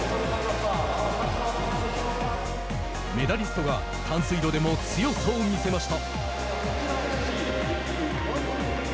メダリストが短水路でも強さを見せました。